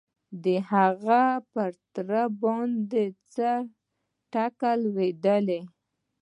د هغه په تره باندې څه ټکه ولوېده؟